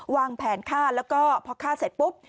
วางแผนฆ่าแล้วก็พอฆ่าเสร็จปุ๊บ